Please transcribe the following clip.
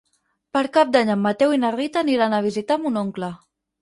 Per Cap d'Any en Mateu i na Rita aniran a visitar mon oncle.